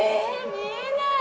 見えない！